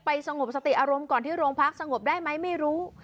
สงบสติอารมณ์ก่อนที่โรงพักสงบได้ไหมไม่รู้